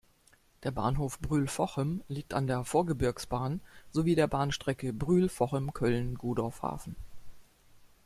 Der Bahnhof "Brühl-Vochem" liegt an der Vorgebirgsbahn sowie der Bahnstrecke Brühl-Vochem–Köln-Godorf Hafen.